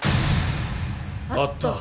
あった。